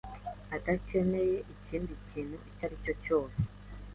adakeneye ikindi kintu icyaricyo cyose